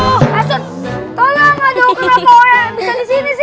tolong aduh kenapa orang yang bisa di sini sih